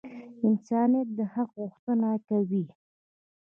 انسانیت د حق غوښتنه کوي.